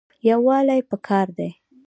یووالی پکار دی